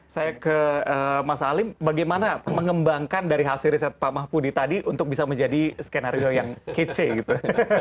saya ke mas alim bagaimana mengembangkan dari hasil riset pak mahpudi tadi untuk bisa menjadi skenario yang kece gitu